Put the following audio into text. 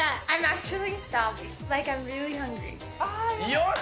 よし！